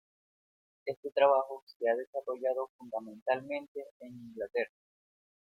Este trabajo se ha desarrollado fundamentalmente en Inglaterra.